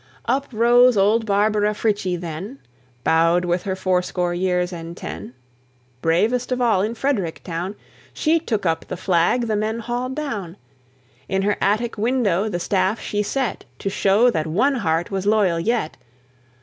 Up rose old Barbara Frietchie then, Bowed with her fourscore years and ten, Bravest of all in Frederick town, She took up the flag the men hauled down. In her attic window the staff she set, To show that one heart was loyal yet.